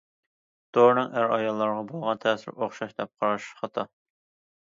دورىنىڭ ئەر- ئاياللارغا بولغان تەسىرى ئوخشاش دەپ قاراش خاتا.